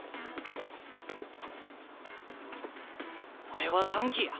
俺は短気や。